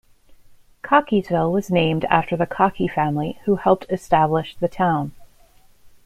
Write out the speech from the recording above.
Cockeysville was named after the Cockey family who helped establish the town.